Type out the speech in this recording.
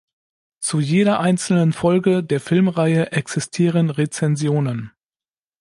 Zu jeder einzelnen Folge der Filmreihe existieren Rezensionen.